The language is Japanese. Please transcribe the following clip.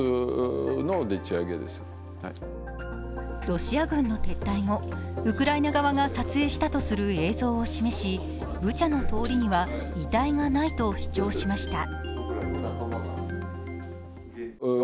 ロシア軍の撤退後、ウクライナ側が撮影したとする映像を示しブチャの通りには遺体がないと主張しました。